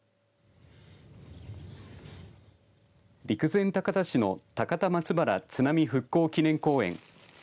陸前高田市の高田松原津波復興祈念公園。